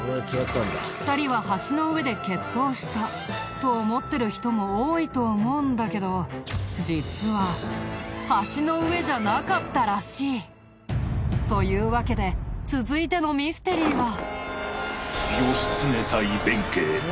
２人は橋の上で決闘したと思ってる人も多いと思うんだけど実は橋の上じゃなかったらしい。というわけで続いてのミステリーは。